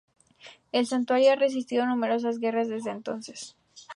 El santuario ha resistido numerosas guerras desde entonces.